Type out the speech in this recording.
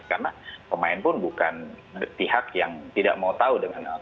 karena pemain pun bukan pihak yang tidak mau tahu dan tidak mau tahu